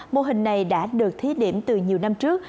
mô hình này đã được thí điểm từ nhiều năm trước